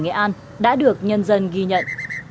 nghệ an đã được nhân dân ghi nhận